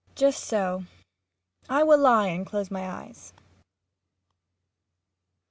] Just so. I will lie and close my eyes.